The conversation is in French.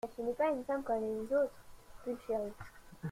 Mais ce n'est pas une femme comme les autres, Pulchérie …